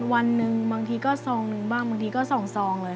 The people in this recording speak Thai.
วันนึงบางทีก็๒นึงบ้างบางทีก็๒ซองเลยค่ะ